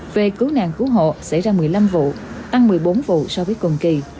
về cứu nạn cứu hộ xảy ra một mươi năm vụ tăng một mươi bốn vụ so với cùng kỳ